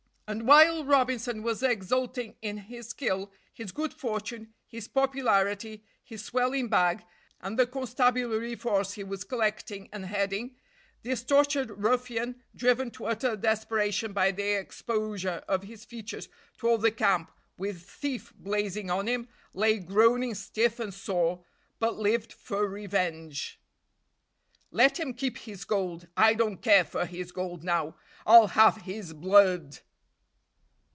And while Robinson was exulting in his skill, his good fortune, his popularity, his swelling bag, and the constabulary force he was collecting and heading, this tortured ruffian, driven to utter desperation by the exposure of his features to all the camp with "Thief" blazing on him, lay groaning stiff and sore but lived for revenge. "Let him keep his gold I don't care for his gold now. I'll have his blood!"